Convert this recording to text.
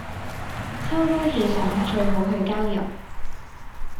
秋高氣爽最好去郊遊